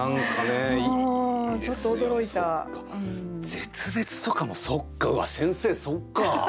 絶滅とかもそっかうわっ先生そっか。